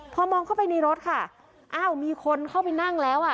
พอมองเข้าไปในรถค่ะอ้าวมีคนเข้าไปนั่งแล้วอ่ะ